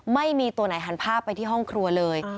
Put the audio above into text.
ไม่มีตัวไหนหันภาพไปที่ห้องครัวเลย